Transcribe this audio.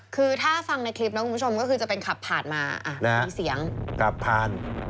คือถ้าฟังในคลิปนะคุณผู้ชมก็คือจะเป็นขับผ่านมา